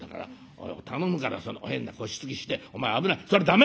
「おい頼むからその変な腰つきしてお前危ないそれ駄目！